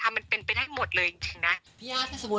ไม่มันอาจจะแบบวิบลึม